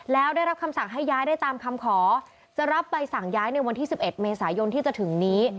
แล้วได้รับคำสั่งให้ย้ายได้ตามคำขอจะรับใบสั่งย้ายในวันที่๑๑เมษายนที่จะถึงนี้